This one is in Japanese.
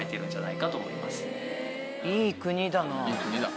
いい国だな。